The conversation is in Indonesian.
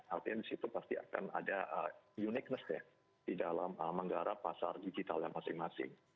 artinya di situ pasti akan ada uniqueness ya di dalam menggarap pasar digitalnya masing masing